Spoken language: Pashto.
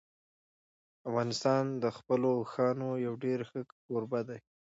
افغانستان د خپلو اوښانو یو ډېر ښه کوربه دی.